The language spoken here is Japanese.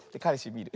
みる。